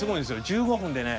１５分でね